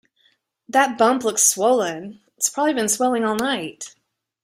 That bump looks swollen. It's probably been swelling all night.